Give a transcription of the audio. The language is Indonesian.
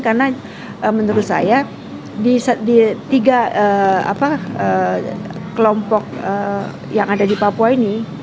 karena menurut saya di tiga kelompok yang ada di papua ini